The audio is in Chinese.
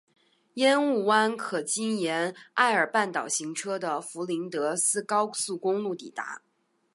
烟雾湾可经沿艾尔半岛行车的弗林德斯高速公路抵达。